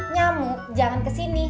nyamuk jangan ke sini